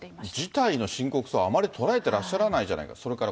事態の深刻さをあまり捉えてらっしゃらないんじゃないか。